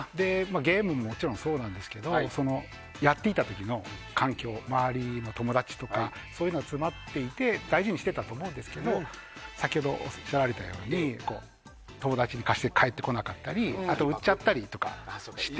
ゲームももちろんそうなんですがやっていた時の環境周りの友達とかそういうのが詰まっていて大事にしていたと思いますが先ほど、おっしゃられたように友達に貸して返ってこなかったりあと、売っちゃったりして。